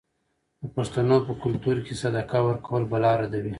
د پښتنو په کلتور کې صدقه ورکول بلا ردوي.